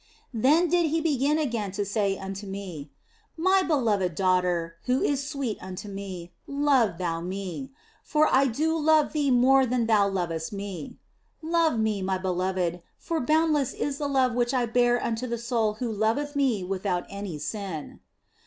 Then did He begin again to say unto me, " My be loved daughter who is sweet unto Me, love thou Me, for I do love thee more than thou lovest Me. Love Me, My beloved, for boundless is the love which I bear unto the soul who loveth Me without any sin."